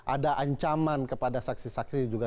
ada ancaman kepada saksi saksi juga